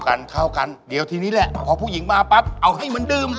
กันเข้ากันเดี๋ยวทีนี้แหละพอผู้หญิงมาปั๊บเอาให้เหมือนเดิม